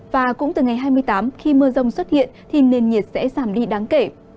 và cũng từ ngày hai mươi tám khi mưa rông xuất hiện thì nền nhiệt sẽ giảm đi đáng kể